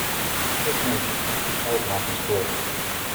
Patronage propelled Martin's career.